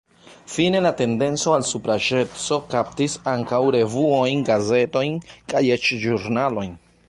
Fine la tendenco al supraĵeco kaptis ankaŭ revuojn, gazetojn kaj eĉ ĵurnalojn.